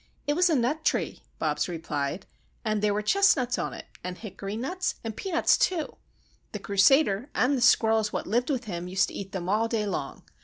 "It was a nut tree," Bobs replied, "and there were chestnuts on it, and hickory nuts, and peanuts, too. The Crusader and the squirrels what lived with him used to eat them all day long.